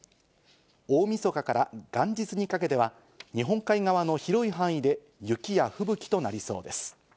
大みそかから元日にかけては、日本海側の広い範囲で雪や吹雪となりそうです。